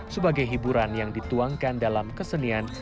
sebagai hiburan yang dituangkan dalam kesenian